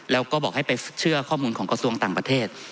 แล้วก็บอกให้ไปเชื่อข้อมูลของกระทรวงต่างประเทศ